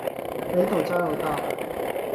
北斗交流道